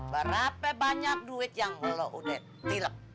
berapa banyak duit yang lo udah tilep